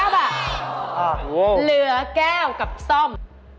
เหลือแก้วกับซ่อม